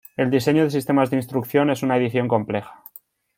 El diseño de sistemas de instrucción es una edición compleja.